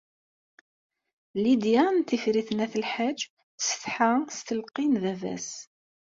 Lidya n Tifrit n At Lḥaǧ tessetḥa s tleqqi n baba-s.